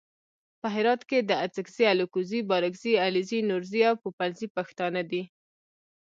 په هرات کې اڅګزي الکوزي بارګزي علیزي نورزي او پوپلزي پښتانه دي.